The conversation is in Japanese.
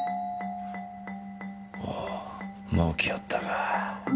おうもう来よったか。